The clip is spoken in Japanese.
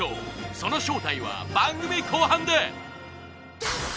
その正体は番組後半で！